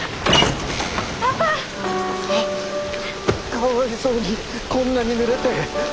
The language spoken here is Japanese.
かわいそうにこんなにぬれて。